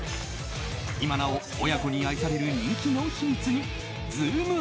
今なお親子に愛される人気の秘密にズームＵＰ！